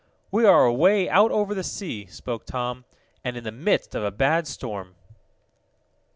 "We are away out over the sea," spoke Tom, "and in the midst of a bad storm."